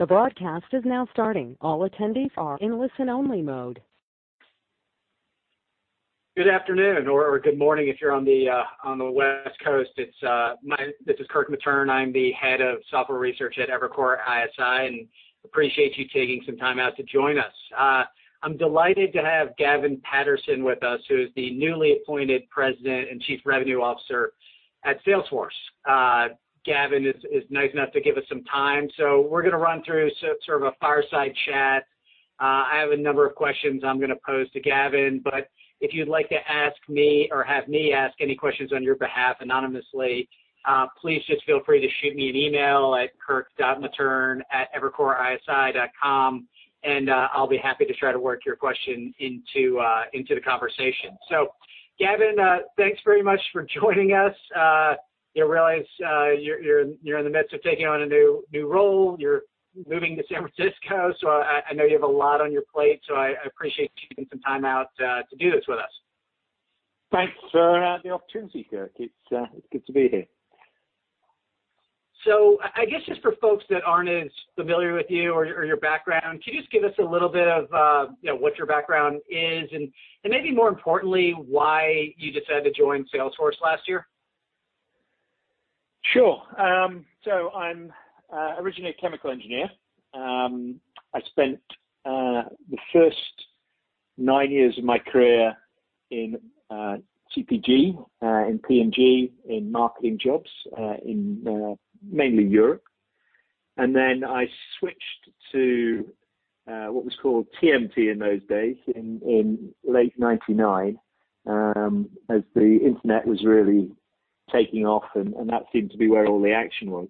Good afternoon or good morning if you're on the West Coast. This is Kirk Materne. I'm the Head of Software Research at Evercore ISI, and appreciate you taking some time out to join us. I'm delighted to have Gavin Patterson with us, who is the newly appointed President and Chief Revenue Officer at Salesforce. Gavin is nice enough to give us some time. We're going to run through sort of a fireside chat. I have a number of questions I'm going to pose to Gavin, but if you'd like to ask me or have me ask any questions on your behalf anonymously, please just feel free to shoot me an email at kirk.materne@evercoreisi.com, and I'll be happy to try to work your question into the conversation. Gavin, thanks very much for joining us. I realize you're in the midst of taking on a new role. You're moving to San Francisco, so I know you have a lot on your plate, so I appreciate you taking some time out to do this with us. Thanks for the opportunity, Kirk. It's good to be here. I guess just for folks that aren't as familiar with you or your background, could you just give us a little bit of what your background is and maybe more importantly, why you decided to join Salesforce last year? Sure. I'm originally a chemical engineer. I spent the first nine years of my career in CPG, in P&G, in marketing jobs, in mainly Europe. Then I switched to what was called TMT in those days, in late 1999, as the internet was really taking off, and that seemed to be where all the action was.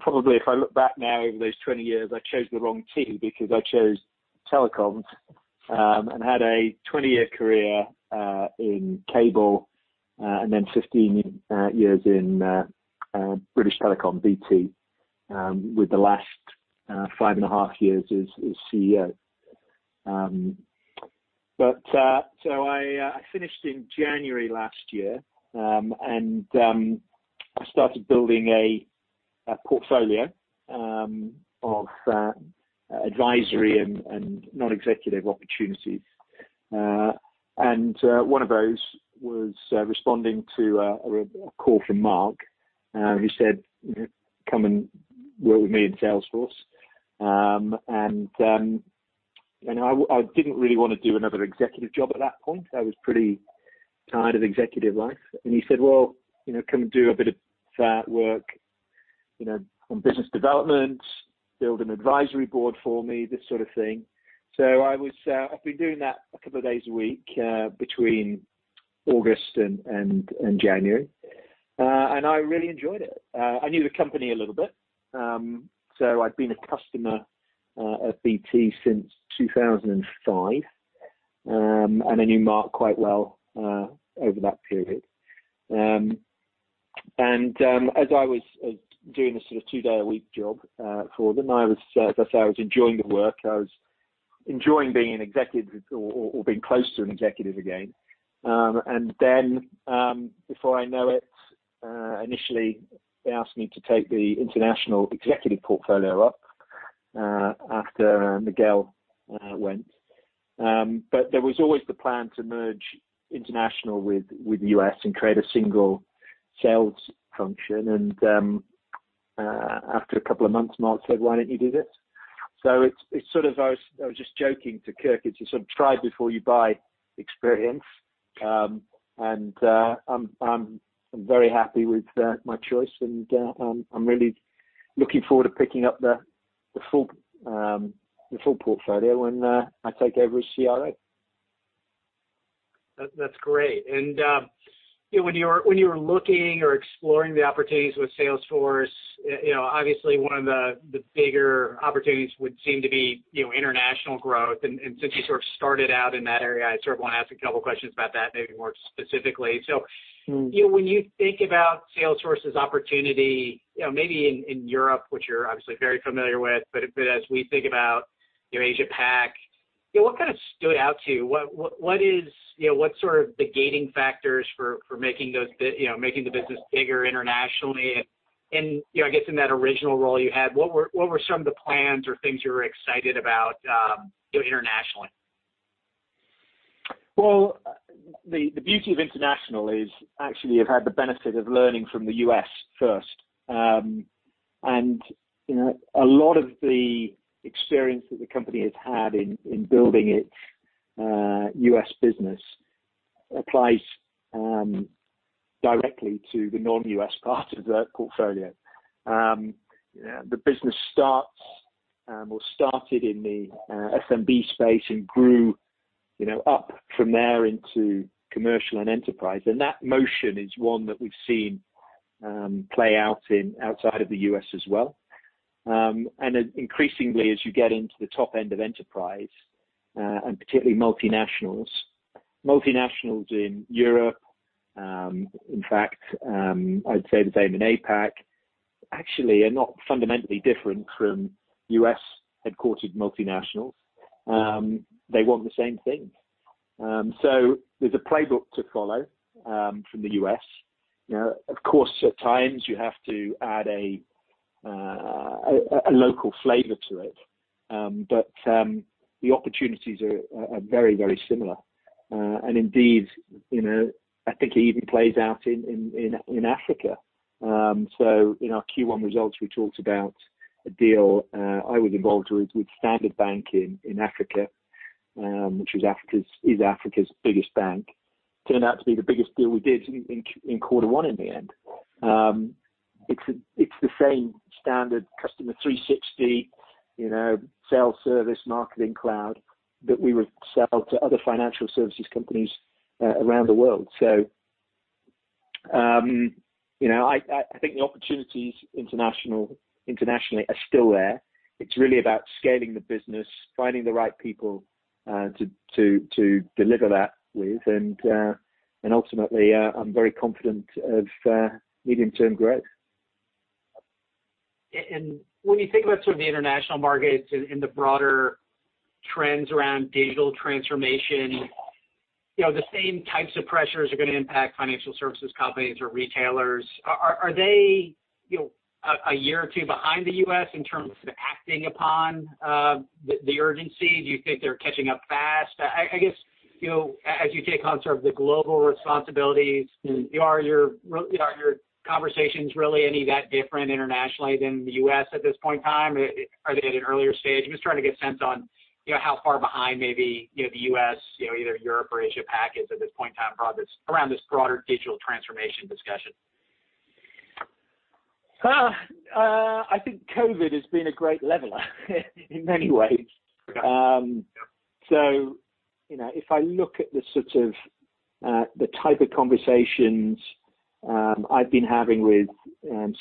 Probably if I look back now over those 20 years, I chose the wrong T because I chose telecoms, and had a 20-year career in cable, and then 15 years in British Telecom, BT, with the last five and a half years as CEO. I finished in January last year, and I started building a portfolio of advisory and non-executive opportunities. One of those was responding to a call from Marc, who said, "Come and work with me in Salesforce." I didn't really want to do another executive job at that point. I was pretty tired of executive life. He said, "Well, come and do a bit of work on business development, build an advisory board for me," this sort of thing. I've been doing that a couple of days a week between August and January. I really enjoyed it. I knew the company a little bit. I'd been a customer of BT since 2005, and I knew Marc quite well over that period. As I was doing this sort of two-day-a-week job for them, as I say, I was enjoying the work. I was enjoying being an executive or being close to an executive again. Before I know it, initially they asked me to take the international executive portfolio up, after Miguel went. There was always the plan to merge international with U.S. and create a single sales function and after a couple of months, Marc said, "Why don't you do this?" I was just joking to Kirk, it's a sort of try before you buy experience. I'm very happy with my choice and I'm really looking forward to picking up the full portfolio when I take over as CRO. That's great. When you were looking or exploring the opportunities with Salesforce, obviously one of the bigger opportunities would seem to be international growth. Since you sort of started out in that area, I want to ask a couple questions about that maybe more specifically. When you think about Salesforce's opportunity maybe in Europe, which you're obviously very familiar with, but as we think about Asia-Pac, what stood out to you? What's sort of the gating factors for making the business bigger internationally? I guess in that original role you had, what were some of the plans or things you were excited about internationally? Well, the beauty of international is actually I've had the benefit of learning from the U.S. first. A lot of the experience that the company has had in building its U.S. business applies directly to the non-U.S. part of the portfolio. The business starts or started in the SMB space and grew up from there into commercial and enterprise. That motion is one that we've seen play out outside of the U.S. as well. Increasingly as you get into the top end of enterprise, and particularly multinationals in Europe, in fact, I'd say the same in APAC. Actually are not fundamentally different from U.S.-headquartered multinationals. They want the same thing. There's a playbook to follow from the U.S. Of course, at times you have to add a local flavor to it. The opportunities are very similar. Indeed, I think it even plays out in Africa. In our Q1 results, we talked about a deal I was involved with Standard Bank in Africa, which is Africa's biggest bank. Turned out to be the biggest deal we did in quarter one in the end. It's the same standard Customer 360, Sales, Service, Marketing Cloud that we would sell to other financial services companies around the world. I think the opportunities internationally are still there. It's really about scaling the business, finding the right people to deliver that with. Ultimately, I'm very confident of medium-term growth. When you think about some of the international markets and the broader trends around digital transformation, the same types of pressures are going to impact financial services companies or retailers. Are they a year or two behind the U.S. in terms of acting upon the urgency? Do you think they're catching up fast? I guess, as you take on sort of the global responsibilities, are your conversations really any that different internationally than the U.S. at this point in time? Are they at an earlier stage? I'm just trying to get a sense on how far behind maybe, the U.S., either Europe or Asia-Pac is at this point in time around this broader digital transformation discussion. I think COVID has been a great leveler in many ways. Okay. Yep. If I look at the type of conversations I've been having with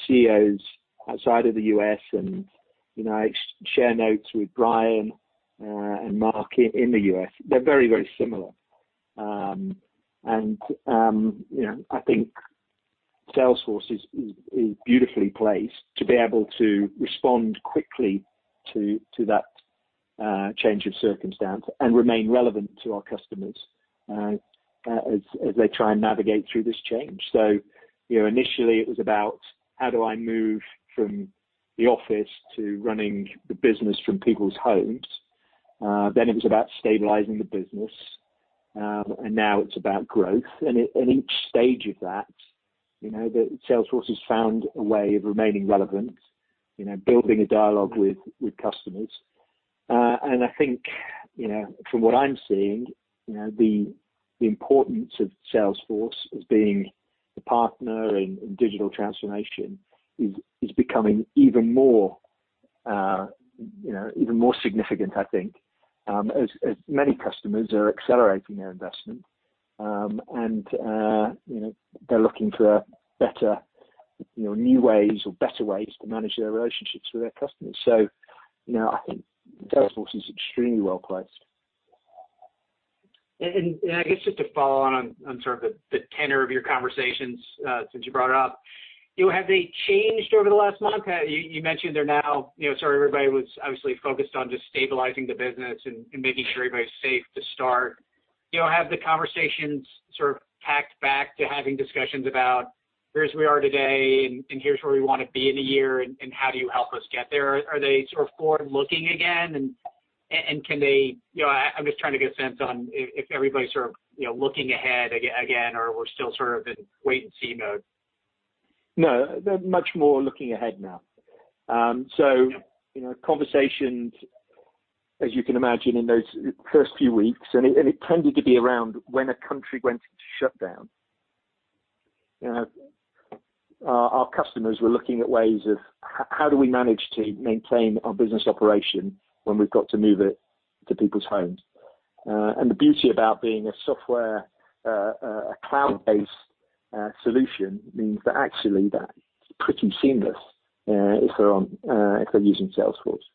CEOs outside of the U.S., and I share notes with Brian and Marc in the U.S., they're very similar. I think Salesforce is beautifully placed to be able to respond quickly to that change of circumstance and remain relevant to our customers as they try and navigate through this change. Initially it was about how do I move from the office to running the business from people's homes? Then it was about stabilizing the business. Now it's about growth. At each stage of that, Salesforce has found a way of remaining relevant, building a dialogue with customers. I think, from what I'm seeing, the importance of Salesforce as being the partner in digital transformation is becoming even more significant, I think, as many customers are accelerating their investment. They're looking for new ways or better ways to manage their relationships with their customers. I think Salesforce is extremely well-placed. I guess just to follow on sort of the tenor of your conversations, since you brought it up, have they changed over the last month? You mentioned they're now, sort of everybody was obviously focused on just stabilizing the business and making sure everybody's safe to start. Have the conversations sort of tacked back to having discussions about, "Here's where we are today, and here's where we want to be in a year, and how do you help us get there?" Are they sort of forward-looking again? I'm just trying to get a sense on if everybody's sort of looking ahead again, or we're still sort of in wait-and-see mode. No, they're much more looking ahead now. Yeah. Conversations, as you can imagine, in those first few weeks, it tended to be around when a country went into shutdown. Our customers were looking at ways of how do we manage to maintain our business operation when we've got to move it to people's homes? The beauty about being a software, a cloud-based solution means that actually, that's pretty seamless if they're using Salesforce.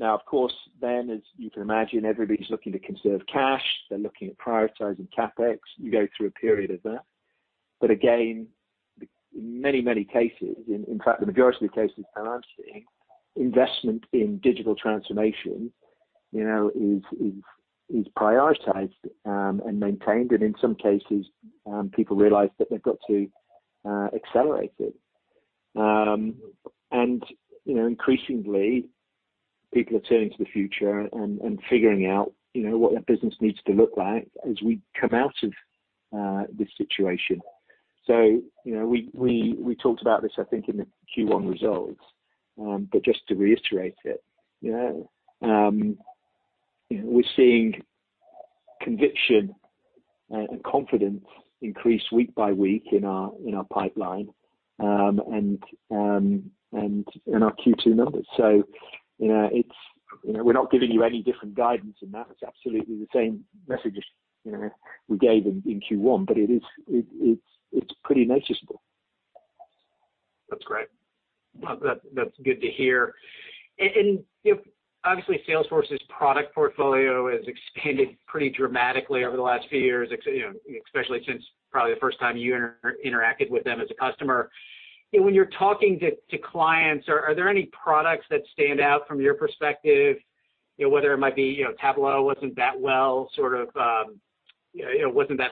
Of course, then as you can imagine, everybody's looking to conserve cash. They're looking at prioritizing CapEx. You go through a period of that. Again, many cases, in fact, the majority of the cases I'm seeing, investment in digital transformation is prioritized, and maintained. In some cases, people realize that they've got to accelerate it. Increasingly, people are turning to the future and figuring out what their business needs to look like as we come out of this situation. We talked about this, I think, in the Q1 results. Just to reiterate it, we're seeing conviction and confidence increase week by week in our pipeline, and in our Q2 numbers. We're not giving you any different guidance in that. It's absolutely the same message as we gave in Q1, but it's pretty noticeable. That's great. Well, that's good to hear. Obviously, Salesforce's product portfolio has expanded pretty dramatically over the last few years, especially since probably the first time you interacted with them as a customer. When you're talking to clients, are there any products that stand out from your perspective? Whether it might be Tableau wasn't that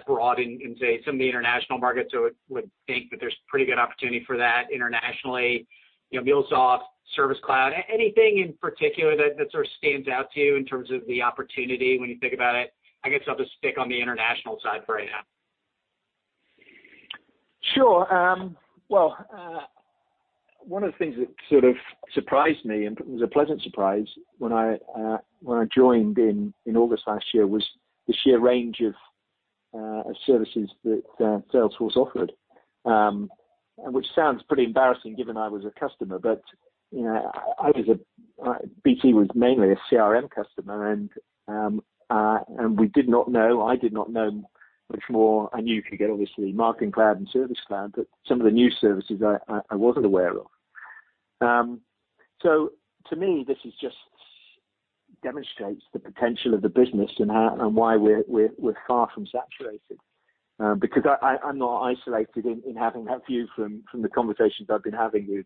broad in, say, some of the international markets, so would think that there's pretty good opportunity for that internationally. MuleSoft, Service Cloud, anything in particular that sort of stands out to you in terms of the opportunity when you think about it? I guess I'll just stick on the international side for right now. One of the things that sort of surprised me, and it was a pleasant surprise, when I joined in August last year was the sheer range of services that Salesforce offered. Which sounds pretty embarrassing given I was a customer, BT was mainly a CRM customer, and we did not know, I did not know much more. I knew if you get, obviously, Marketing Cloud and Service Cloud, but some of the new services I wasn't aware of. To me, this just demonstrates the potential of the business and why we're far from saturated. I'm not isolated in having that view from the conversations I've been having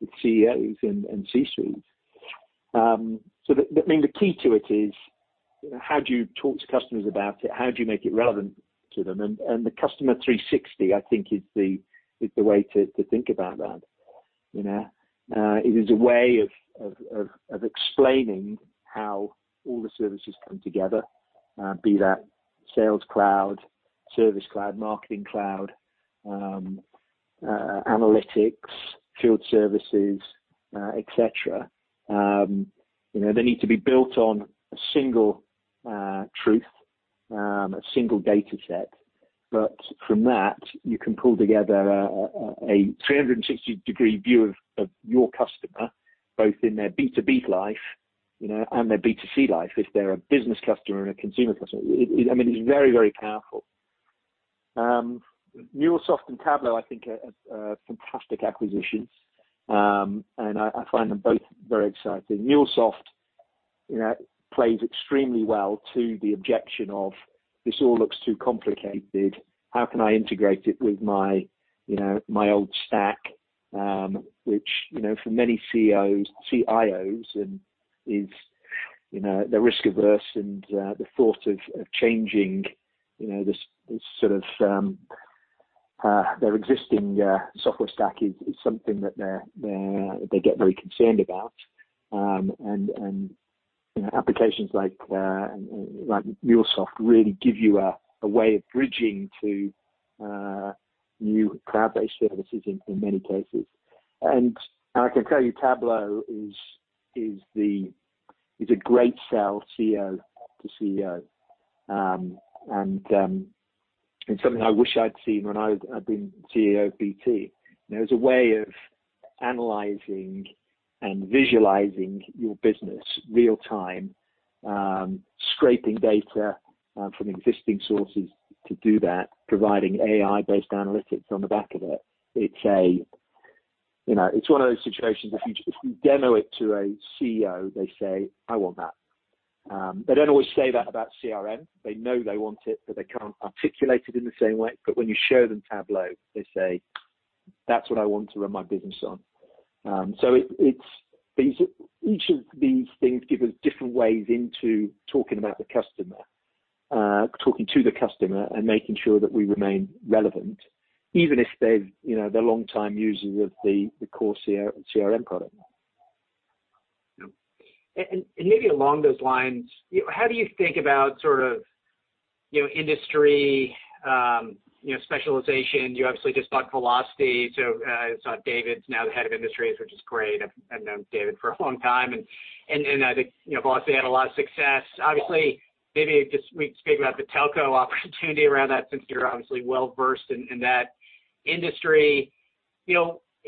with CEOs and C-suites. The key to it is how do you talk to customers about it? How do you make it relevant to them? The Customer 360, I think is the way to think about that. It is a way of explaining how all the services come together, be that Sales Cloud, Service Cloud, Marketing Cloud, analytics, field services, et cetera. They need to be built on a single truth, a single data set. From that, you can pull together a 360-degree view of your customer, both in their B2B life, and their B2C life, if they're a business customer and a consumer customer. It's very powerful. MuleSoft and Tableau, I think are fantastic acquisitions. I find them both very exciting. MuleSoft plays extremely well to the objection of, "This all looks too complicated. How can I integrate it with my old stack?" Which, for many CIOs is they're risk-averse and the thought of changing their existing software stack is something that they get very concerned about. Applications like MuleSoft really give you a way of bridging to new cloud-based services in many cases. I can tell you Tableau is a great sell CEO to CEO. It's something I wish I'd seen when I'd been CEO of BT. It's a way of analyzing and visualizing your business real-time, scraping data from existing sources to do that, providing AI-based analytics on the back of it. It's one of those situations, if you demo it to a CEO, they say, "I want that." They don't always say that about CRM. They know they want it, but they can't articulate it in the same way. When you show them Tableau, they say, "That's what I want to run my business on." Each of these things give us different ways into talking about the customer, talking to the customer, and making sure that we remain relevant, even if they're longtime users of the core CRM product. Yep. Maybe along those lines, how do you think about industry specialization? You obviously just bought Vlocity. I saw David's now the Head of Industries, which is great. I've known David for a long time, and I think Vlocity had a lot of success. Obviously, maybe just we can speak about the telco opportunity around that, since you're obviously well-versed in that industry.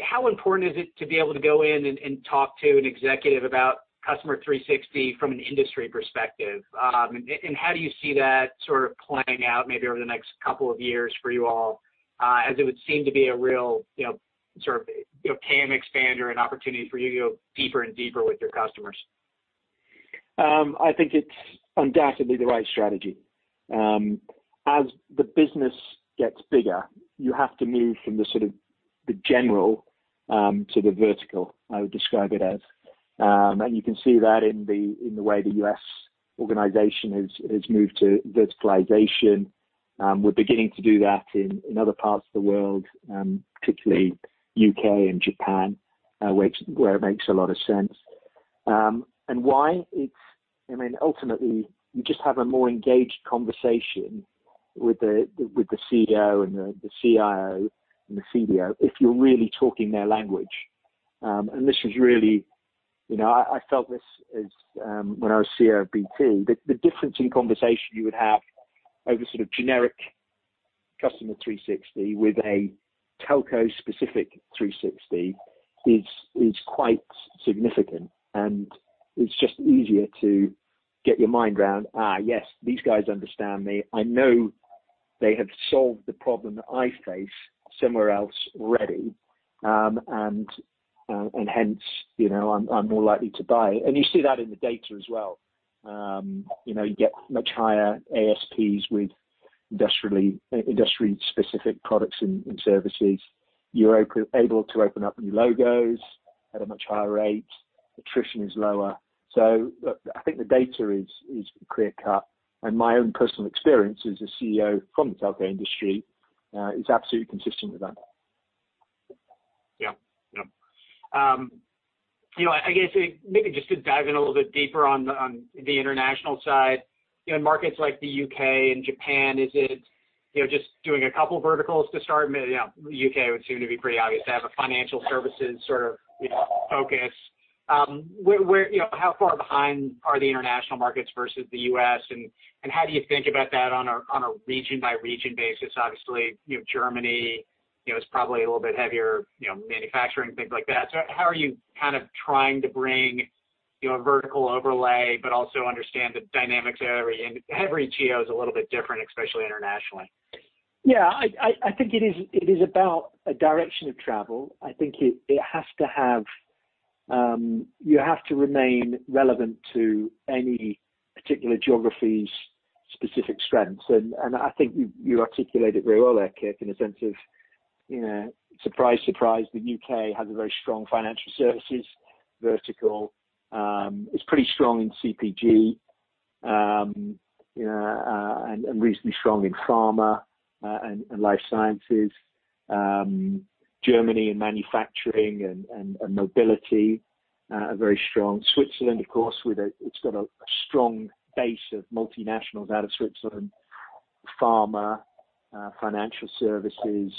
How important is it to be able to go in and talk to an executive about Customer 360 from an industry perspective? How do you see that playing out maybe over the next couple of years for you all? As it would seem to be a real TAM expander and opportunity for you to go deeper and deeper with your customers. I think it's undoubtedly the right strategy. As the business gets bigger, you have to move from the general to the vertical, I would describe it as. You can see that in the way the U.S. organization has moved to verticalization. We're beginning to do that in other parts of the world, particularly U.K. and Japan, where it makes a lot of sense. Why? Ultimately, you just have a more engaged conversation with the CEO, the CIO, the CDO, if you're really talking their language. This was really, I felt this when I was CEO of BT, the difference in conversation you would have over generic Customer 360 with a telco-specific 360 is quite significant, and it's just easier to get your mind around, "Yes, these guys understand me. I know they have solved the problem that I face somewhere else already, hence, I'm more likely to buy. You see that in the data as well. You get much higher ASPs with industry-specific products and services. You're able to open up new logos at a much higher rate. Attrition is lower. I think the data is clear-cut, and my own personal experience as a CEO from the telco industry, is absolutely consistent with that. Yeah. I guess maybe just to dive in a little bit deeper on the international side, in markets like the U.K. and Japan, is it just doing a couple of verticals to start? The U.K. would seem to be pretty obvious to have a financial services focus. How far behind are the international markets versus the U.S., and how do you think about that on a region-by-region basis? Germany is probably a little bit heavier, manufacturing, things like that. How are you trying to bring a vertical overlay, but also understand the dynamics of every geo is a little bit different, especially internationally. Yeah, I think it is about a direction of travel. I think you have to remain relevant to any particular geography's specific strengths. I think you articulated it very well there, Kirk, in a sense of surprise, the U.K. has a very strong financial services vertical. It's pretty strong in CPG, and reasonably strong in pharma and life sciences. Germany in manufacturing and mobility are very strong. Switzerland, of course, it's got a strong base of multinationals out of Switzerland. Pharma, Financial Services,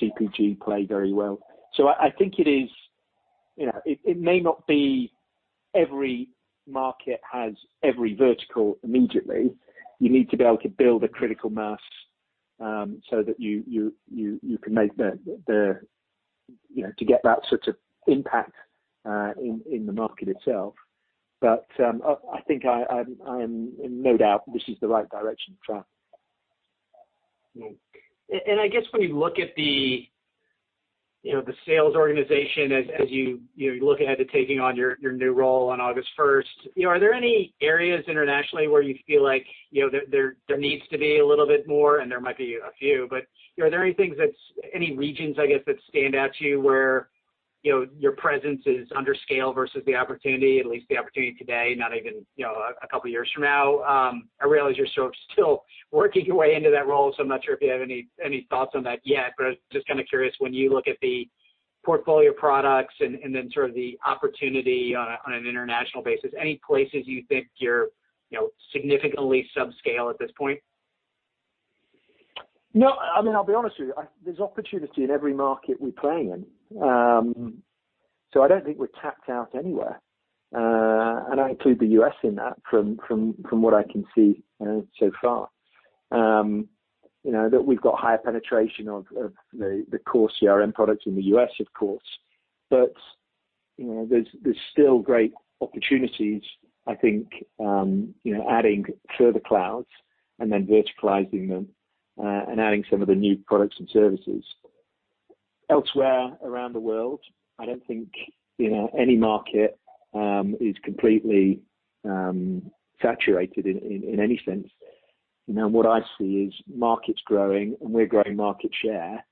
CPG play very well. I think it may not be every market has every vertical immediately. You need to be able to build a critical mass to get that sort of impact in the market itself. I think I am in no doubt this is the right direction of travel. I guess when you look at the sales organization as you look ahead to taking on your new role on August 1st, are there any areas internationally where you feel like there needs to be a little bit more, and there might be a few, but are there any regions, I guess, that stand out to you where your presence is under scale versus the opportunity, at least the opportunity today, not even a couple of years from now? I realize you're still working your way into that role, so I'm not sure if you have any thoughts on that yet. I was just kind of curious when you look at the portfolio of products and then sort of the opportunity on an international basis, any places you think you're significantly sub-scale at this point? No. I'll be honest with you, there's opportunity in every market we play in. I don't think we're tapped out anywhere. I include the U.S. in that from what I can see so far. That we've got higher penetration of the core CRM products in the U.S., of course. There's still great opportunities, I think, adding further clouds and then verticalizing them, and adding some of the new products and services. Elsewhere around the world, I don't think any market is completely saturated in any sense. What I see is markets growing and we're growing market share.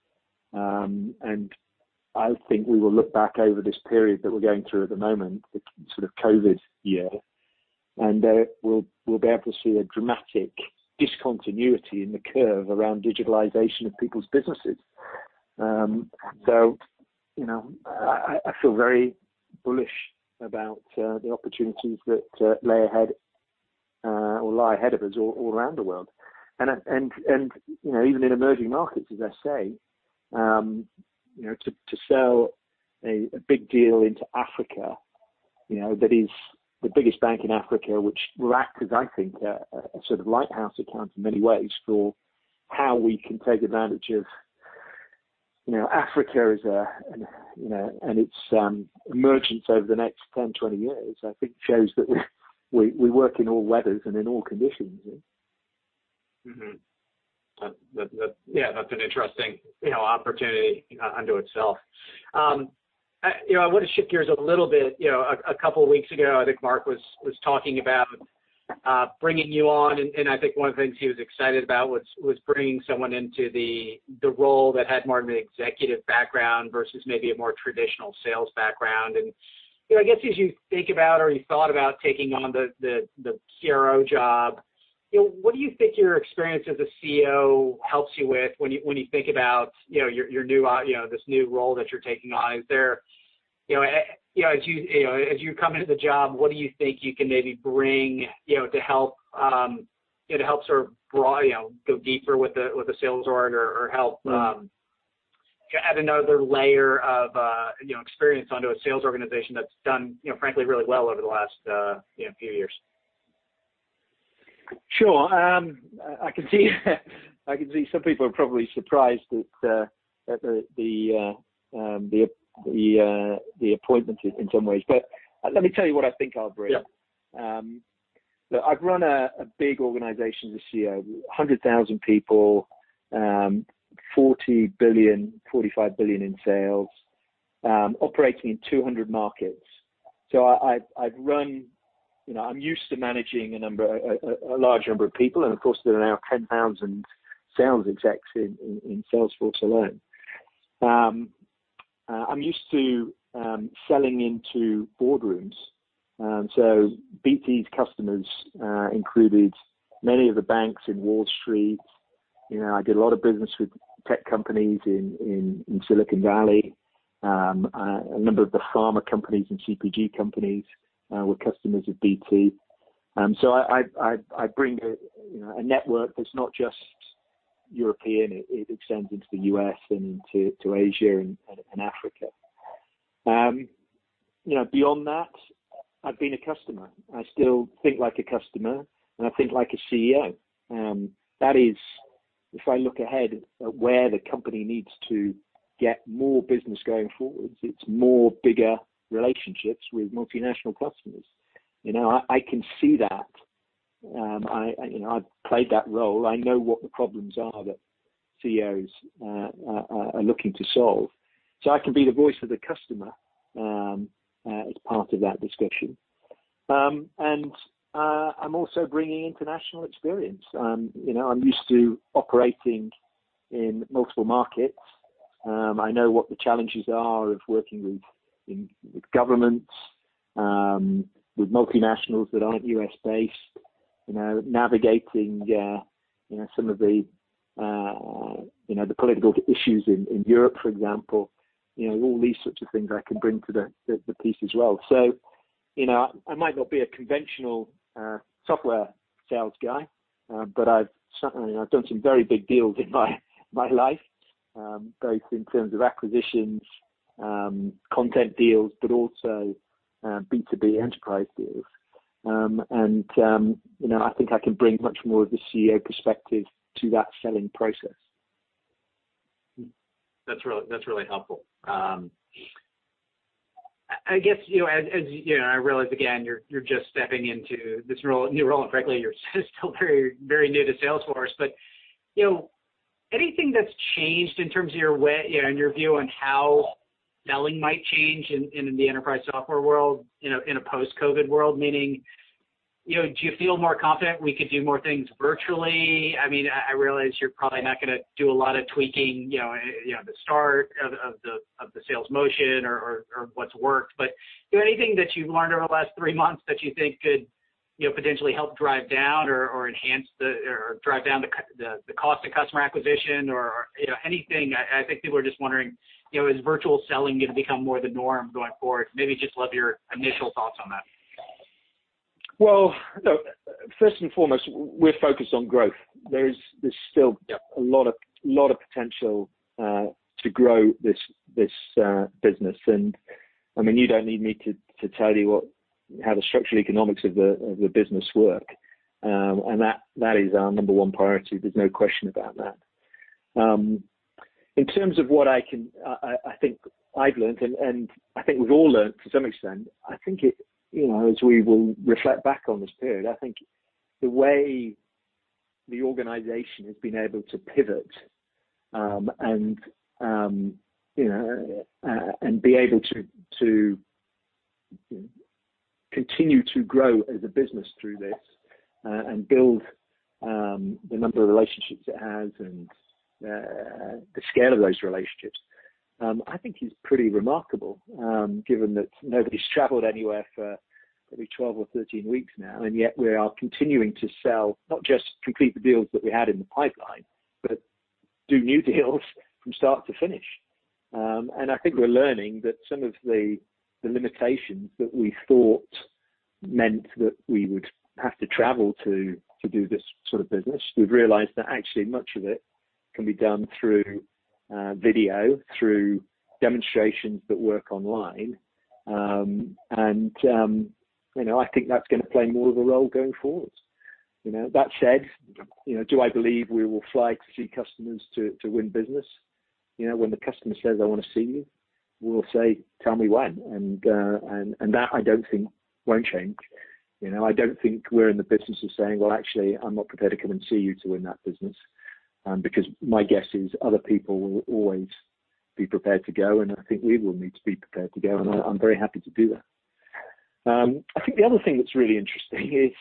I think we will look back over this period that we're going through at the moment, the sort of COVID year, and we'll be able to see a dramatic discontinuity in the curve around digitalization of people's businesses. I feel very bullish about the opportunities that lay ahead or lie ahead of us all around the world. Even in emerging markets, as I say, to sell a big deal into Africa, that is the biggest bank in Africa, which will act as, I think, a sort of lighthouse account in many ways for how we can take advantage of Africa and its emergence over the next 10, 20 years, I think shows that we work in all weathers and in all conditions. Yeah, that's an interesting opportunity unto itself. I want to shift gears a little bit. A couple of weeks ago, I think Marc was talking about bringing you on, and I think one of the things he was excited about was bringing someone into the role that had more of an executive background versus maybe a more traditional sales background. I guess as you think about or you thought about taking on the CRO job, what do you think your experience as a CEO helps you with when you think about this new role that you're taking on? As you come into the job, what do you think you can maybe bring to help go deeper with the sales org or help add another layer of experience onto a sales organization that's done frankly very well over the last few years? Sure. I can see some people are probably surprised at the appointment in some ways. Let me tell you what I think I'll bring. Look, I've run a big organization this year, 100,000 people, $40 billion, $45 billion in sales, operating in 200 markets. I'm used to managing a large number of people, and of course, there are now 10,000 sales execs in Salesforce alone. I'm used to selling into boardrooms. BT's customers included many of the banks in Wall Street. I did a lot of business with tech companies in Silicon Valley. A number of the pharma companies and CPG companies were customers of BT. I bring a network that's not just European. It extends into the U.S. and into Asia and Africa. Beyond that, I've been a customer. I still think like a customer, and I think like a CEO. That is, if I look ahead at where the company needs to get more business going forwards, it's more bigger relationships with multinational customers. I can see that. I've played that role. I know what the problems are that CEOs are looking to solve. I can be the voice of the customer as part of that discussion. I'm also bringing international experience. I'm used to operating in multiple markets. I know what the challenges are of working with governments, with multinationals that aren't U.S.-based, navigating some of the political issues in Europe, for example, all these sorts of things I can bring to the piece as well. I might not be a conventional software sales guy, but I've done some very big deals in my life, both in terms of acquisitions, content deals, but also B2B enterprise deals. I think I can bring much more of the CEO perspective to that selling process. That's really helpful. I realize, again, you're just stepping into this new role, and frankly, you're still very new to Salesforce, but anything that's changed in terms of your view on how selling might change in the enterprise software world, in a post-COVID world, meaning, do you feel more confident we could do more things virtually? I realize you're probably not going to do a lot of tweaking the start of the sales motion or what's worked, but anything that you've learned over the last three months that you think could potentially help drive down the cost of customer acquisition or anything? I think people are just wondering, is virtual selling going to become more the norm going forward? Maybe just love your initial thoughts on that. Well, look, first and foremost, we're focused on growth. There's still a lot of potential to grow this business. You don't need me to tell you how the structural economics of the business work. That is our number one priority. There's no question about that. In terms of what I think I've learned, and I think we've all learned to some extent, as we will reflect back on this period, I think the way the organization has been able to pivot and be able to continue to grow as a business through this and build the number of relationships it has and the scale of those relationships, I think is pretty remarkable, given that nobody's traveled anywhere for probably 12 or 13 weeks now, and yet we are continuing to sell, not just complete the deals that we had in the pipeline, but do new deals from start to finish. I think we're learning that some of the limitations that we thought meant that we would have to travel to do this sort of business, we've realized that actually much of it can be done through video, through demonstrations that work online. I think that's going to play more of a role going forward. That said, do I believe we will fly to see customers to win business? When the customer says, "I want to see you," we'll say, "Tell me when." That I don't think won't change. I don't think we're in the business of saying, "Well, actually, I'm not prepared to come and see you to win that business," because my guess is other people will always be prepared to go, and I think we will need to be prepared to go, and I'm very happy to do that. I think the other thing that's really interesting is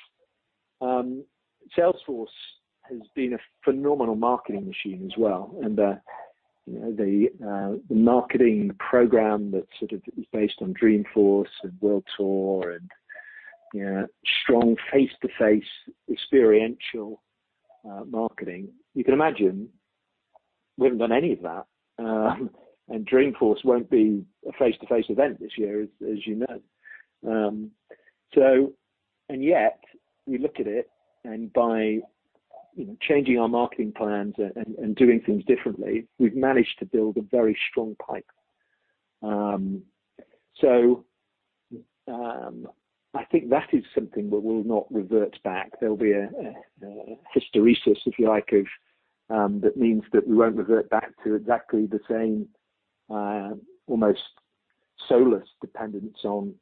Salesforce has been a phenomenal marketing machine as well, and the marketing program that's sort of based on Dreamforce and World Tour and strong face-to-face experiential marketing, you can imagine we haven't done any of that, and Dreamforce won't be a face-to-face event this year, as you know. Yet, we look at it, and by changing our marketing plans and doing things differently, we've managed to build a very strong pipe. I think that is something that will not revert back. There'll be a hysteresis, if you like, that means that we won't revert back to exactly the same. Almost soulless dependence on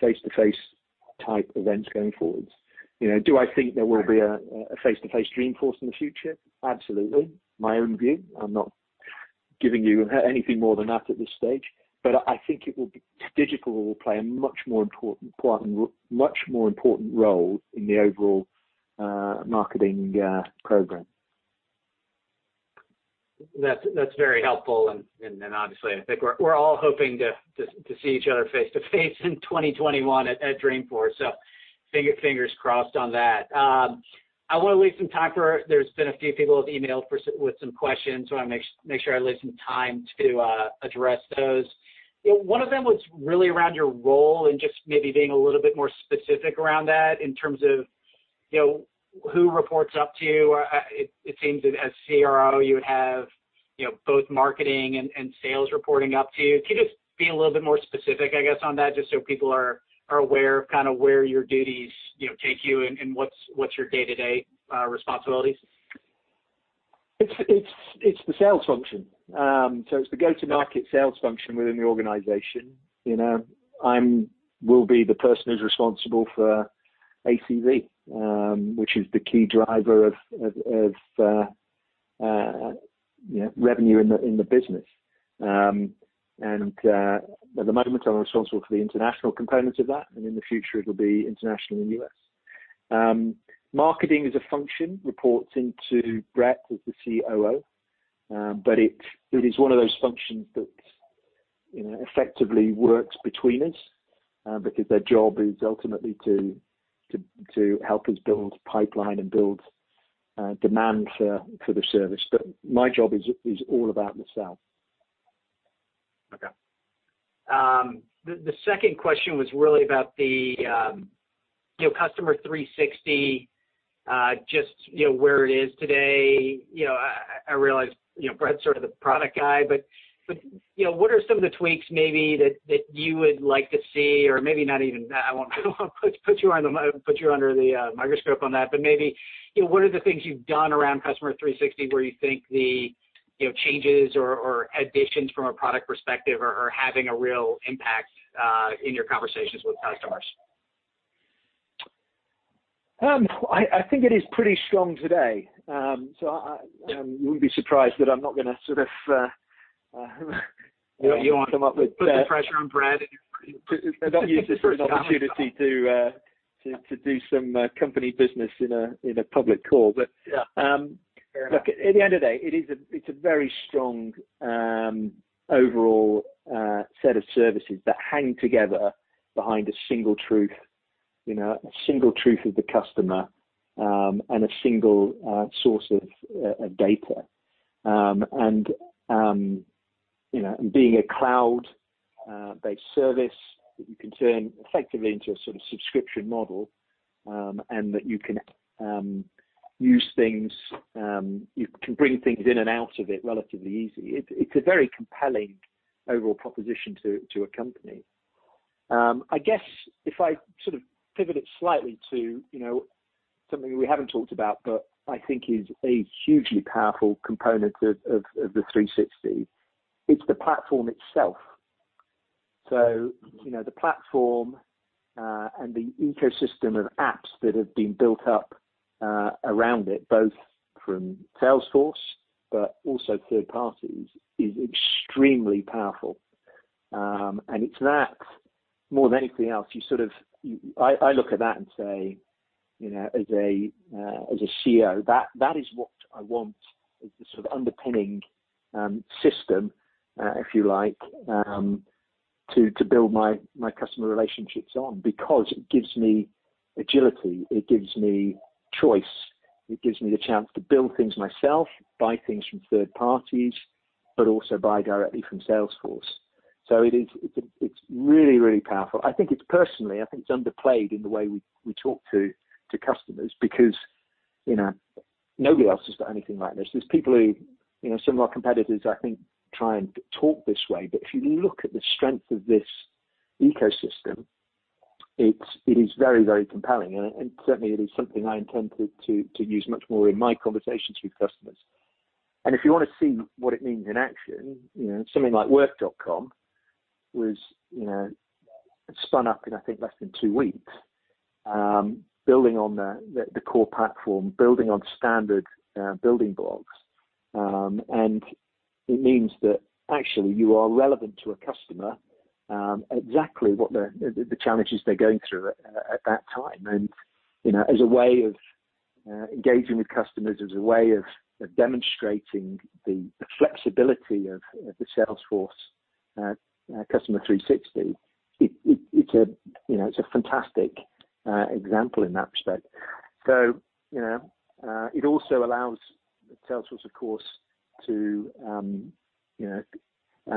face-to-face type events going forward. Do I think there will be a face-to-face Dreamforce in the future? Absolutely. My own view, I'm not giving you anything more than that at this stage, but I think digital will play a much more important role in the overall marketing program. That's very helpful, and obviously, I think we're all hoping to see each other face-to-face in 2021 at Dreamforce, so fingers crossed on that. I want to leave some time for, there's been a few people have emailed with some questions, so I want to make sure I leave some time to address those. One of them was really around your role and just maybe being a little bit more specific around that in terms of who reports up to you. It seems that as CRO you would have both marketing and sales reporting up to you. Can you just be a little bit more specific, I guess, on that, just so people are aware of where your duties take you and what's your day-to-day responsibilities? It's the sales function. It's the go-to-market sales function within the organization. I will be the person who's responsible for ACV, which is the key driver of revenue in the business. At the moment, I'm responsible for the international component of that, and in the future, it'll be international and U.S. Marketing as a function, reports into Bret, who's the COO. It is one of those functions that effectively works between us, because their job is ultimately to help us build pipeline and build demand for the service. My job is all about the sale. The second question was really about the Customer 360, just where it is today. I realize Bret's sort of the product guy, but what are some of the tweaks maybe that you would like to see? Maybe not even that. I won't put you under the microscope on that. Maybe, what are the things you've done around Customer 360 where you think the changes or additions from a product perspective are having a real impact in your conversations with customers? I think it is pretty strong today. You wouldn't be surprised that I'm not going to. You want to put the pressure on Bret the first time. Use this as an opportunity to do some company business in a public call. Yeah. Fair enough. Look, at the end of the day, it's a very strong overall set of services that hang together behind a single truth of the customer, and a single source of data. Being a cloud-based service that you can turn effectively into a sort of subscription model, and that you can use things, you can bring things in and out of it relatively easy. It's a very compelling overall proposition to a company. I guess if I sort of pivot it slightly to something we haven't talked about, but I think is a hugely powerful component of the 360, it's the platform itself. The platform and the ecosystem of apps that have been built up around it, both from Salesforce but also third parties, is extremely powerful. It's that more than anything else, I look at that and say, as a COO, that is what I want as the sort of underpinning system, if you like, to build my customer relationships on, because it gives me agility. It gives me choice. It gives me the chance to build things myself, buy things from third parties, but also buy directly from Salesforce. It's really, really powerful. Personally, I think it's underplayed in the way we talk to customers, because nobody else has got anything like this. Some of our competitors, I think, try and talk this way. If you look at the strength of this ecosystem, it is very, very compelling, and certainly it is something I intend to use much more in my conversations with customers. If you want to see what it means in action, something like Work.com was spun up in, I think, less than two weeks, building on the core platform, building on standard building blocks. It means that actually you are relevant to a customer, exactly what the challenges they're going through at that time. As a way of engaging with customers, as a way of demonstrating the flexibility of the Salesforce Customer 360, it's a fantastic example in that respect. It also allows Salesforce, of course, to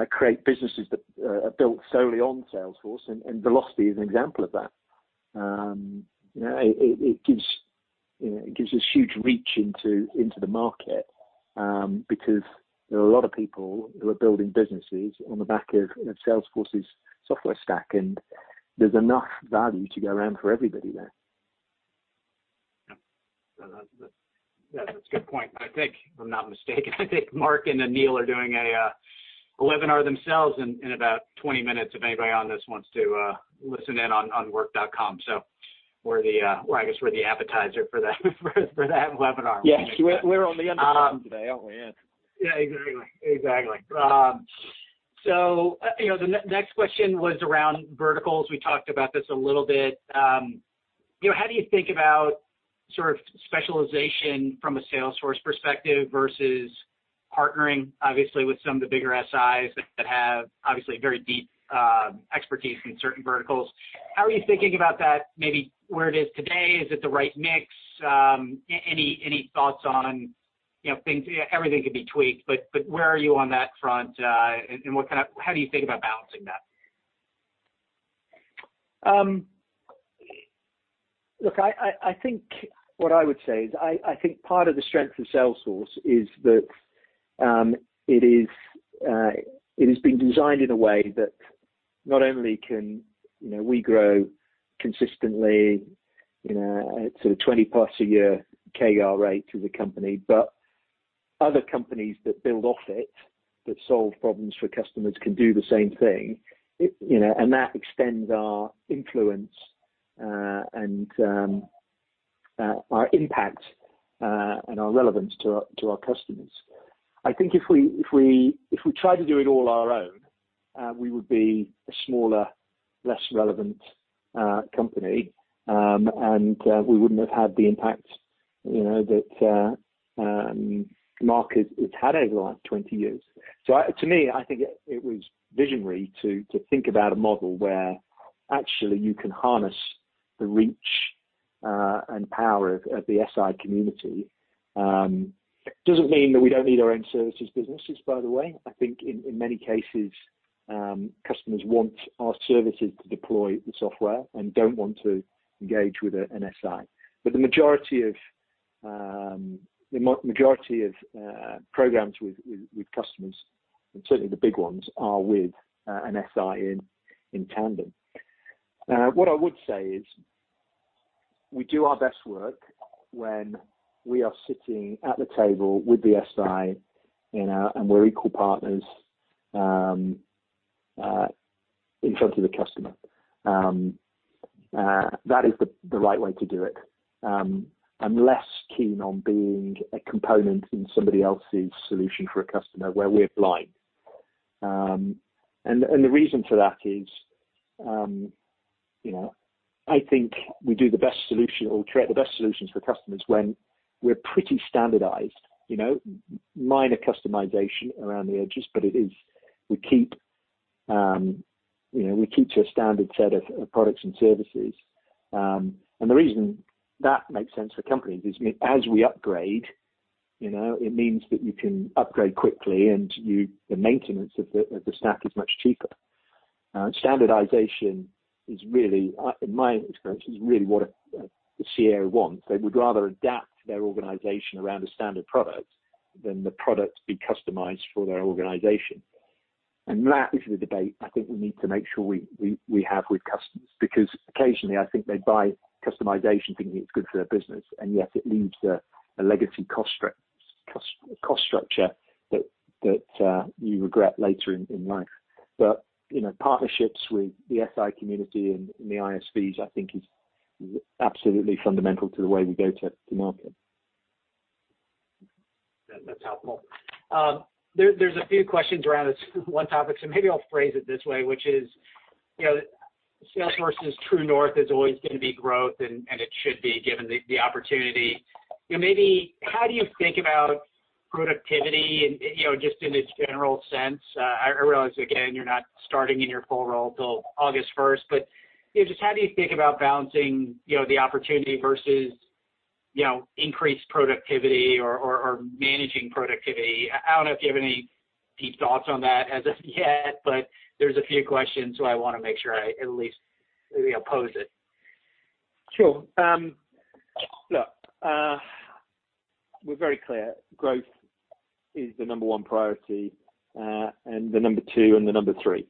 create businesses that are built solely on Salesforce, and Vlocity is an example of that. It gives this huge reach into the market, because there are a lot of people who are building businesses on the back of Salesforce's software stack, and there's enough value to go around for everybody there. That's a good point. If I think I'm not mistaken, I think Marc and Anil are doing a webinar themselves in about 20 minutes, if anybody on this wants to listen in on Work.com. I guess we're the appetizer for that webinar. Yes. We're on the appetizer today, aren't we? Yeah. Yeah, exactly. The next question was around verticals. We talked about this a little bit. How do you think about specialization from a Salesforce perspective versus partnering, obviously, with some of the bigger SIs that have obviously very deep expertise in certain verticals? How are you thinking about that, maybe where it is today? Is it the right mix? Any thoughts on things? Everything can be tweaked, but where are you on that front? How do you think about balancing that? Look, I think what I would say is, I think part of the strength of Salesforce is that it has been designed in a way that not only can we grow consistently, at sort of 20+ a year CAGR rate as a company, but other companies that build off it, that solve problems for customers, can do the same thing. That extends our influence and our impact and our relevance to our customers. I think if we try to do it all on our own, we would be a smaller, less relevant company, and we wouldn't have had the impact that Marc has had over the last 20 years. To me, I think it was visionary to think about a model where actually you can harness the reach and power of the SI community. It doesn't mean that we don't need our own services businesses, by the way. I think in many cases, customers want our services to deploy the software and don't want to engage with an SI. The majority of programs with customers, and certainly the big ones, are with an SI in tandem. What I would say is we do our best work when we are sitting at the table with the SI, and we're equal partners in front of the customer. That is the right way to do it. I'm less keen on being a component in somebody else's solution for a customer where we're blind. The reason for that is, I think we do the best solution or create the best solutions for customers when we're pretty standardized. Minor customization around the edges, but we keep to a standard set of products and services. The reason that makes sense for companies is as we upgrade, it means that you can upgrade quickly and the maintenance of the stack is much cheaper. Standardization is really, in my experience, is really what a CIO wants. They would rather adapt their organization around a standard product than the product be customized for their organization. That is the debate I think we need to make sure we have with customers, because occasionally I think they buy customization thinking it's good for their business, and yet it leaves a legacy cost structure that you regret later in life. Partnerships with the SI community and the ISVs, I think is absolutely fundamental to the way we go to market. That's helpful. There's a few questions around this one topic, so maybe I'll phrase it this way, which is, Salesforce's true north is always going to be growth, and it should be, given the opportunity. Maybe how do you think about productivity and just in its general sense? I realize, again, you're not starting in your full role till August 1st, but just how do you think about balancing the opportunity versus increased productivity or managing productivity? I don't know if you have any deep thoughts on that as of yet, but there's a few questions, so I want to make sure I at least pose it. Sure. Look, we're very clear. Growth is the number one priority, and the number two and the number three.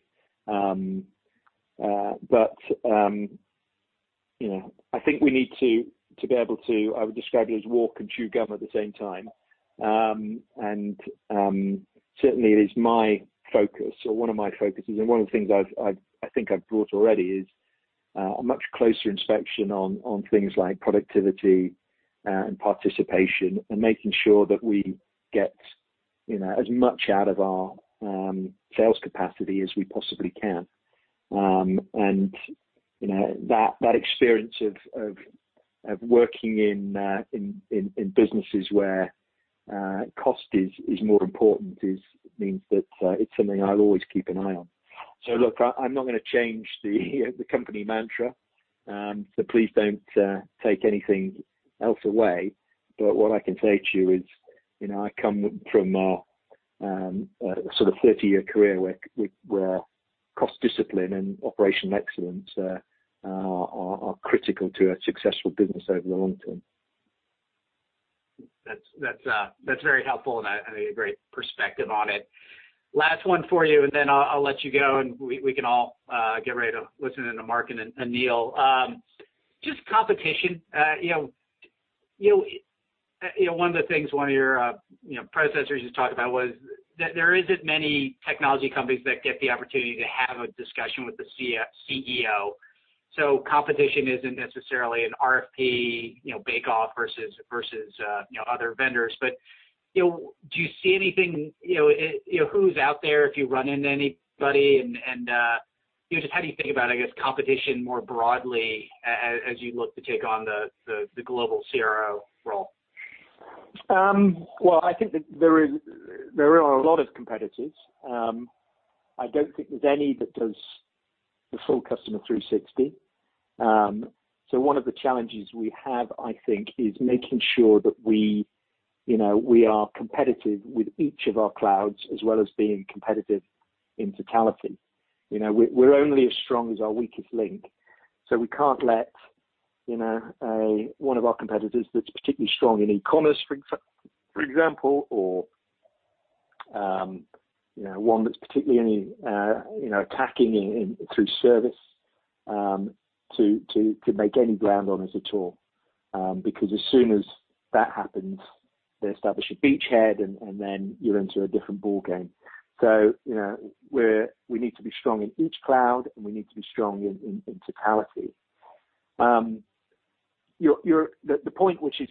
I think we need to be able to, I would describe it as walk and chew gum at the same time. Certainly it is my focus or one of my focuses, and one of the things I think I've brought already is a much closer inspection on things like productivity and participation and making sure that we get as much out of our sales capacity as we possibly can. That experience of working in businesses where cost is more important means that it's something I'll always keep an eye on. Look, I'm not going to change the company mantra, so please don't take anything else away. What I can say to you is, I come from a sort of 30-year career where cost discipline and operational excellence are critical to a successful business over the long term. That's very helpful, and I think a great perspective on it. Last one for you, and then I'll let you go, and we can all get ready to listen in to Marc and Anil. Just competition. One of the things one of your predecessors just talked about was that there isn't many technology companies that get the opportunity to have a discussion with the CEO. Competition isn't necessarily an RFP bake-off versus other vendors. Do you see anything, who's out there, if you run into anybody, and just how do you think about, I guess, competition more broadly, as you look to take on the global CRO role? I think that there are a lot of competitors. I don't think there's any that does the full Customer 360. One of the challenges we have, I think, is making sure that we are competitive with each of our clouds, as well as being competitive in totality. We're only as strong as our weakest link, so we can't let one of our competitors that's particularly strong in e-commerce, for example, or one that's particularly attacking in through service, to make any ground on us at all. As soon as that happens, they establish a beachhead, and then you're into a different ballgame. We need to be strong in each cloud, and we need to be strong in totality. The point which is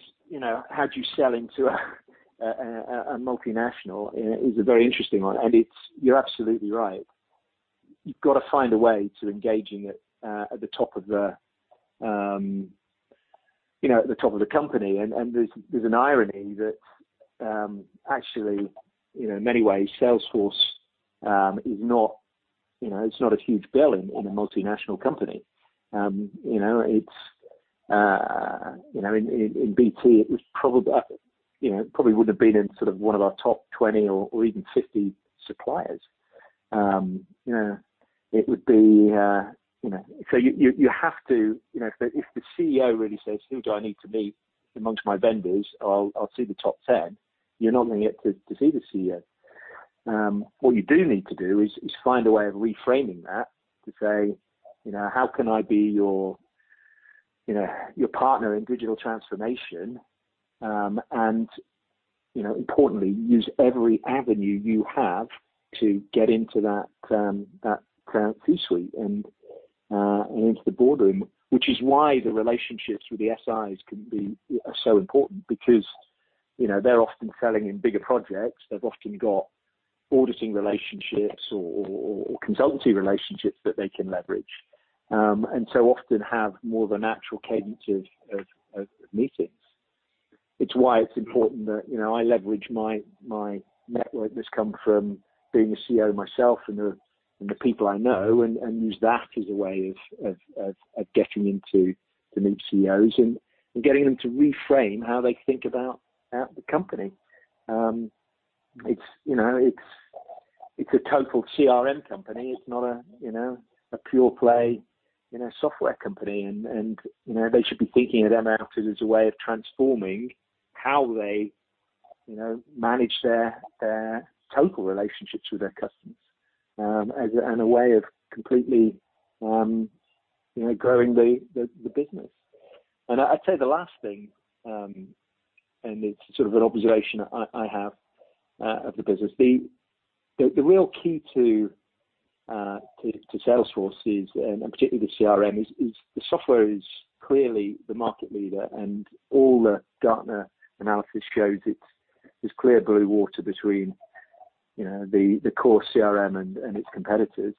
how do you sell into a multinational is a very interesting one, and you're absolutely right. You've got to find a way to engaging it at the top of the company. There's an irony that actually, in many ways, Salesforce is not a huge player in a multinational company. In BT, it probably wouldn't have been in one of our top 20 or even 50 suppliers. You have to, if the CEO really says, "Who do I need to meet amongst my vendors? I'll see the top 10," you're not going to get to see the CEO. What you do need to do is find a way of reframing that to say, "How can I be your partner in digital transformation?" Importantly, use every avenue you have to get into that C-suite and into the boardroom, which is why the relationships with the SIs can be so important, because they're often selling in bigger projects. They've often got auditing relationships or consultancy relationships that they can leverage, and so often have more of an actual cadence of meetings. It's why it's important that I leverage my network that's come from being a CEO myself and the people I know and use that as a way of getting into the new CEOs and getting them to reframe how they think about the company. It's a total CRM company. It's not a pure play software company. They should be thinking of ML as a way of transforming how they manage their total relationships with their customers, and a way of completely growing the business. I'd say the last thing, and it's sort of an observation I have of the business. The real key to Salesforce is, and particularly the CRM, is the software is clearly the market leader, and all the Gartner analysis shows it's clear blue water between the core CRM and its competitors.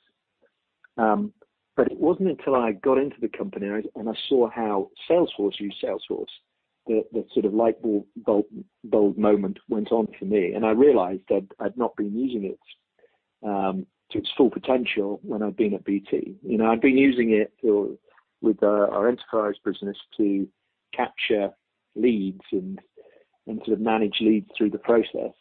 It wasn't until I got into the company and I saw how Salesforce used Salesforce, that the light bulb moment went on for me, and I realized that I'd not been using it to its full potential when I'd been at BT. I'd been using it with our enterprise business to capture leads and to manage leads through the process.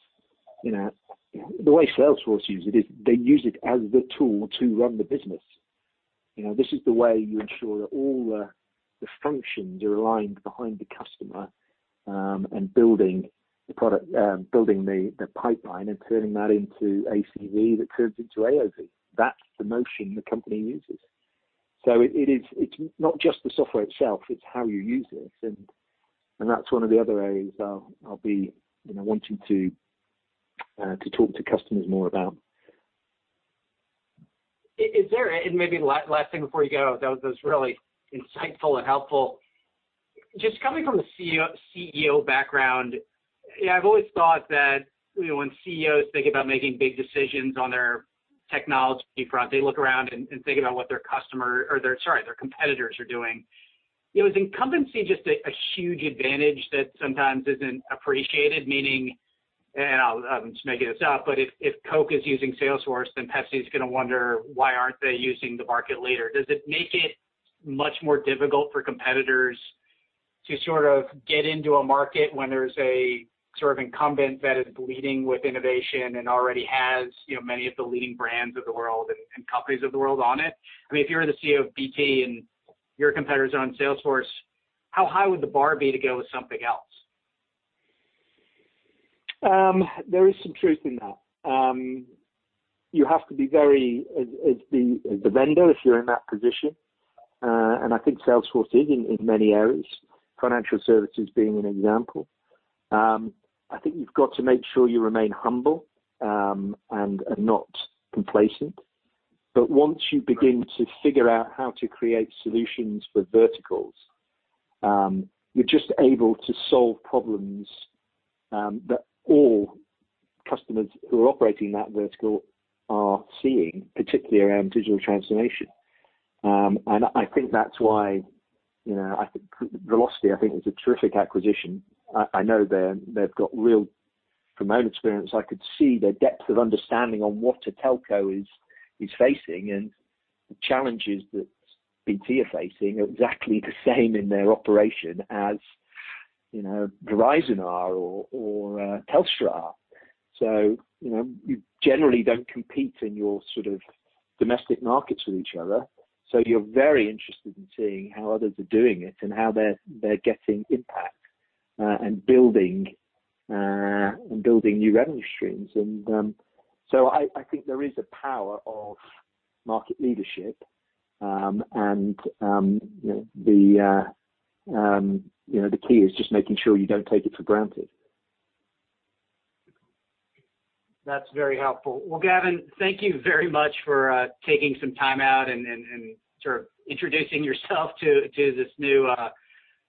The way Salesforce use it is they use it as the tool to run the business. This is the way you ensure that all the functions are aligned behind the customer, and building the pipeline and turning that into ACV that turns into AOV. That's the motion the company uses. It's not just the software itself, it's how you use it, and that's one of the other areas I'll be wanting to talk to customers more about. Maybe last thing before you go. That was really insightful and helpful. Just coming from a CEO background, I've always thought that when CEOs think about making big decisions on their technology front, they look around and think about what their customer, or sorry, their competitors are doing. Is incumbency just a huge advantage that sometimes isn't appreciated? Meaning, I'm just making this up, but if Coke is using Salesforce, then Pepsi's going to wonder why aren't they using the market leader? Does it make it much more difficult for competitors to get into a market when there's a sort of incumbent that is leading with innovation and already has many of the leading brands of the world and companies of the world on it? I mean, if you're the CEO of BT your competitors on Salesforce, how high would the bar be to go with something else? There is some truth in that. You have to be very, as the vendor, if you're in that position, and I think Salesforce is in many areas, financial services being an example. I think you've got to make sure you remain humble, and are not complacent. Once you begin to figure out how to create solutions for verticals, you're just able to solve problems, that all customers who are operating that vertical are seeing, particularly around digital transformation. I think that's why, Vlocity I think was a terrific acquisition. From my own experience, I could see their depth of understanding on what a telco is facing and the challenges that BT are facing are exactly the same in their operation as Verizon are or Telstra are. You generally don't compete in your sort of domestic markets with each other, so you're very interested in seeing how others are doing it and how they're getting impact, and building new revenue streams. I think there is a power of market leadership, and the key is just making sure you don't take it for granted. That's very helpful. Well, Gavin, thank you very much for taking some time out and introducing yourself to this new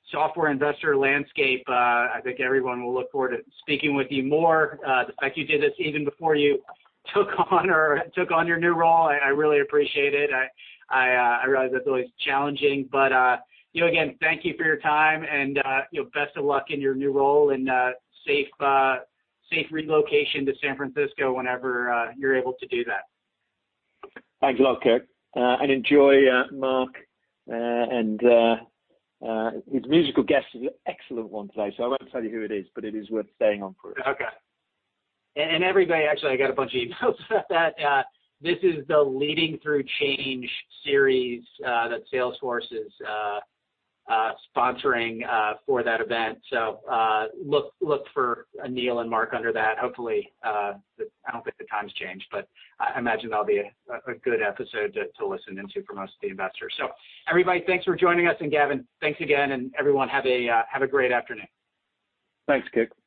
software investor landscape. I think everyone will look forward to speaking with you more. The fact you did this even before you took on your new role, I really appreciate it. I realize that's always challenging, but, again, thank you for your time and, best of luck in your new role and safe relocation to San Francisco whenever you're able to do that. Thanks a lot, Kirk. Enjoy Marc. His musical guest is an excellent one today. I won't tell you who it is, but it is worth staying on for. Okay. Everybody, actually, I got a bunch of emails about that. This is the Leading Through Change series, that Salesforce is sponsoring for that event. Look for Anil and Marc under that. Hopefully, I don't think the time's changed, but I imagine that'll be a good episode to listen into for most of the investors. Everybody, thanks for joining us, and Gavin, thanks again, and everyone have a great afternoon. Thanks, Kirk. Bye.